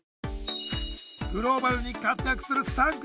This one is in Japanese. グローバルに活躍する３組。